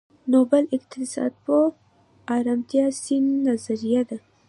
نوبل اقتصادپوه آمارتیا سېن نظريه ده.